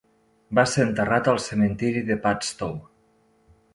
Va ser enterrat al cementiri de Padstow.